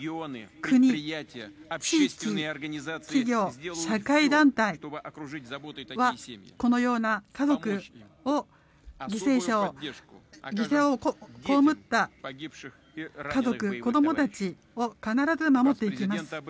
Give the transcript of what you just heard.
国、地域、企業、社会団体はこのような犠牲を被った家族子供たちを必ず守っていきます。